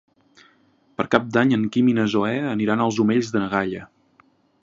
Per Cap d'Any en Quim i na Zoè aniran als Omells de na Gaia.